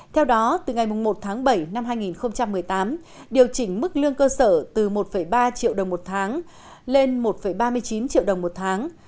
theo đó từ ngày một tháng bảy năm hai nghìn một mươi tám điều chỉnh mức lương cơ sở từ một ba triệu đồng một tháng lên một ba mươi chín triệu đồng một tháng